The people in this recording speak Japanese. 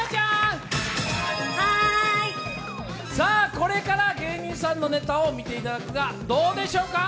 これから芸人さんのネタを見ていただくけどどうでしょう？